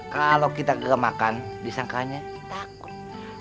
kalo kita gak makan disangkaannya takut